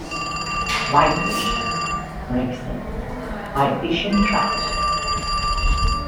Whitefish, Gregson, whitefish and trout.